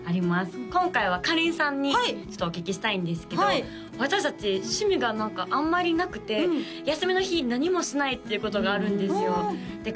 今回はかりんさんにお聞きしたいんですけど私達趣味が何かあんまりなくて休みの日何もしないっていうことがあるんですよで